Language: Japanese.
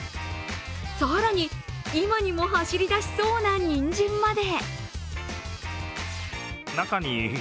更に、今にも走り出しそうなにんじんまで。